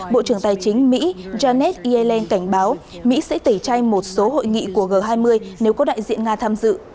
bộ trưởng tài chính mỹ janet yellen cảnh báo mỹ sẽ tẩy chay một số hội nghị của g hai mươi nếu có đại diện nga tham dự